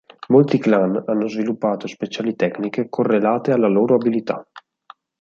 Molti clan hanno sviluppato speciali tecniche correlate alla loro abilità.